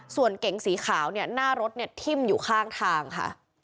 ส่วนเก่งสีขาวหน้ารถทิ้มอยู่ข้างทางค่ะ